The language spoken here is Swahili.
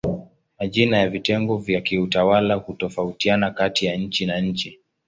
Majina ya vitengo vya kiutawala hutofautiana kati ya nchi na nchi.